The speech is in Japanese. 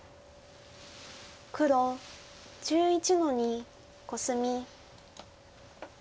黒１１の二コスミ。